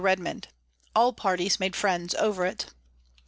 Redmond. All parties made friends over it.